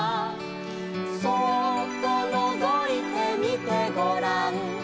「そーっとのぞいてみてごらん」